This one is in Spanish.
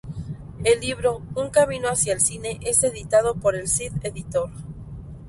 El libro Un Camino hacia el Cine es editado por El Cid Editor.